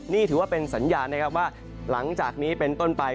นี่ถือว่าเป็นสัญญาณนะครับว่าหลังจากนี้เป็นต้นไป